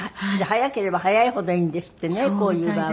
早ければ早いほどいいんですってねこういう場合。